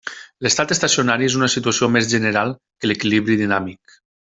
L'estat estacionari és una situació més general que l'equilibri dinàmic.